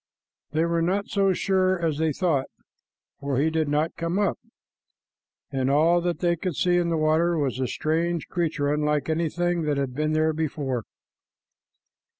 They were not so sure as they thought, for he did not come up, and all that they could see in the water was a strange creature unlike anything that had been there before.